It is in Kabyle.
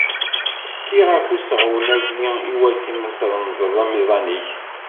Tekki ɣef useɣwen-agi iwakken ad tremdeḍ amiḍan-ik.